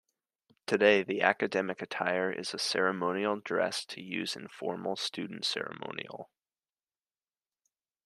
Today the academic attire is a ceremonial dress to use in formal students ceremonial.